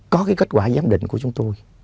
có cái kết quả giám định của chúng tôi